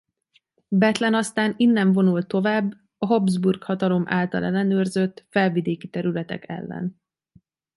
Bethlen aztán innen vonult tovább a Habsburg hatalom által ellenőrzött felvidéki területek ellen.